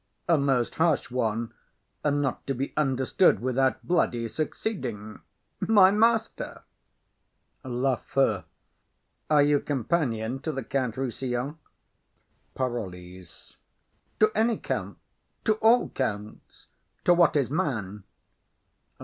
A most harsh one, and not to be understood without bloody succeeding. My master! LAFEW. Are you companion to the Count Rossillon? PAROLLES. To any count; to all counts; to what is man.